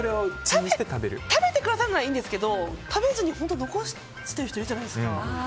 食べてくださるのはいいんですけど食べずに残している人いるじゃないですか。